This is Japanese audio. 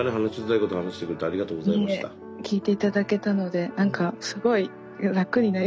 いいえ聞いて頂けたので何かすごい楽になり。